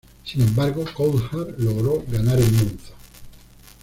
Sin embargo, Coulthard logró ganar en Monza.